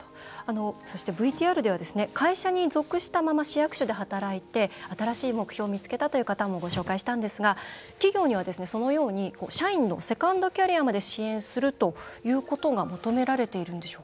そして、ＶＴＲでは会社に属したまま市役所で働いて新しい目標を見つけたという方もご紹介したんですが企業にはそのように社員のセカンドキャリアまで支援するということが求められていると。